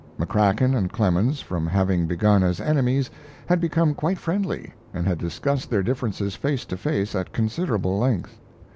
McCrackan and Clemens, from having begun as enemies, had become quite friendly, and had discussed their differences face to face at considerable length.